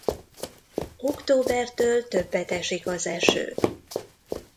Októbertől többet esik az eső.